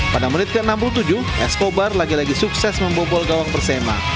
pada menit ke enam puluh tujuh eskobar lagi lagi sukses membobol gawang persema